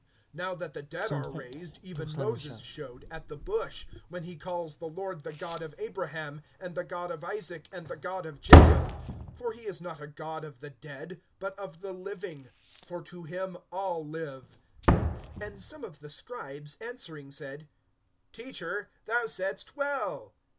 (37)Now that the dead are raised, even Moses showed, at The Bush, when he calls the Lord the God of Abraham, and the God of Isaac, and the God of Jacob. (38)For he is not a God of the dead, but of the living; for to him all live. (39)And some of the scribes answering said: Teacher, thou saidst well.